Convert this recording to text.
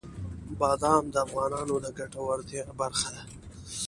بادام د افغانانو د ګټورتیا برخه ده.